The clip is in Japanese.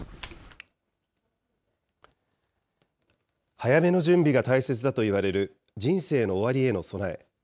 早めの準備が大切だといわれる人生の終わりへの備え。